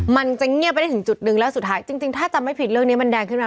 มันจะเงียบไปได้ถึงจุดหนึ่งแล้วสุดท้ายจริงถ้าจำไม่ผิดเรื่องนี้มันแดงขึ้นมา